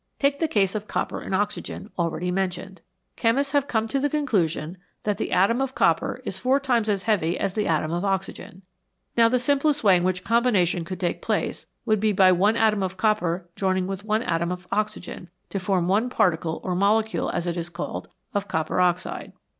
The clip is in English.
Take the case of copper and oxygen, already mentioned. Chemists have come to the conclusion that the atom of copper is four times as heavy as the atom of oxygen. Now the simplest way in which combination could take place would be by one atom of copper joining with one atom of oxygen, to form one particle or molecule, as it is called, of copper oxide.